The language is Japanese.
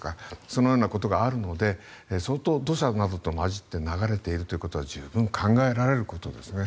そのようなことがあるので相当、土砂などと混じって流れているということは十分考えられることですね。